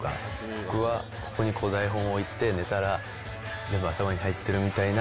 僕はここに台本を置いて寝たら、全部頭に入ってるみたいな。